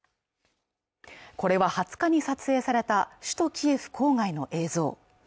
これは２０日に撮影された首都キエフ郊外の映像